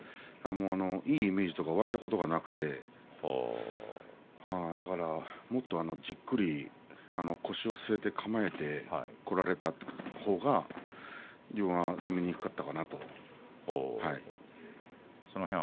いいイメージとか湧いたことがなくてだから、もっとじっくり腰を据えて構えてこられたほうが自分が攻めにくかったなと思います。